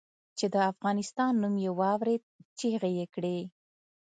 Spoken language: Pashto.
چې د افغانستان نوم یې واورېد چیغې یې کړې.